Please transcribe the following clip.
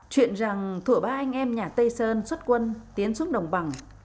chuyện rằng thủa ba anh em nhà tây sơn xuất quân tiến xuống đồng bằng